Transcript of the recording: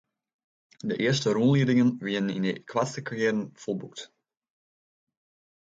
De earste rûnliedingen wiene yn de koartste kearen folboekt.